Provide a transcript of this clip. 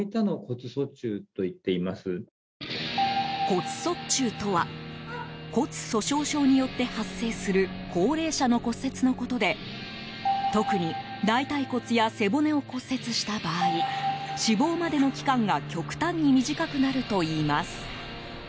骨卒中とは骨粗しょう症によって発生する高齢者の骨折のことで特に大腿骨や背骨を骨折した場合死亡までの期間が極端に短くなるといいます。